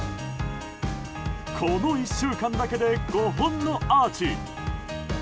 この１週間だけで５本のアーチ。